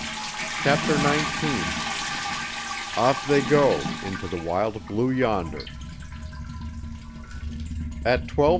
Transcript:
CHAPTER NINETEEN Off They Go into the Wild Blue Yonder At 12:30P.